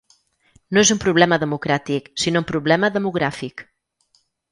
No és un problema democràtic, sinó un problema demogràfic.